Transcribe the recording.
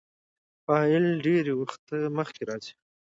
فاعل ډېرى وخت مخکي راځي.